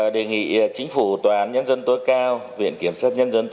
đề nghị chính phủ tòa án nhân dân tối cao viện kiểm sát nhân dân tối cao